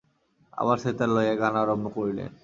আবার সেতার লইয়া গান আরম্ভ করিলেন।